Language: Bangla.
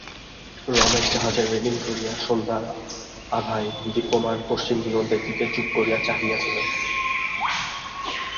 রমেশ জাহাজের রেলিং ধরিয়া সন্ধ্যার আভায় দীপ্যমান পশ্চিম দিগন্তের দিকে চুপ করিয়া চাহিয়া ছিল।